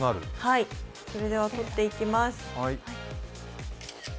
それでは撮っていきます。